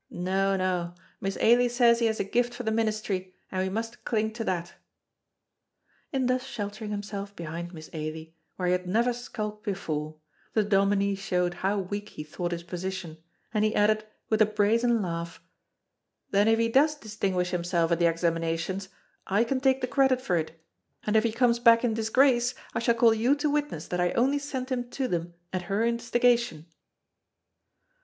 No, no, Miss Ailie says he has a gift for the ministry, and we must cling to that." In thus sheltering himself behind Miss Ailie, where he had never skulked before, the dominie showed how weak he thought his position, and he added, with a brazen laugh, "Then if he does distinguish himself at the examinations I can take the credit for it, and if he comes back in disgrace I shall call you to witness that I only sent him to them at her instigation."